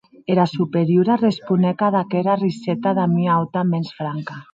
Era Superiora responec ad aquera riseta damb ua auta mens franca.